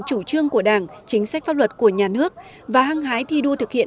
chủ trương của đảng chính sách pháp luật của nhà nước và hăng hái thi đua thực hiện